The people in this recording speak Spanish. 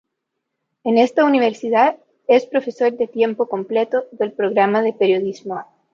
En esta universidad es profesor de tiempo completo del programa de Periodismo.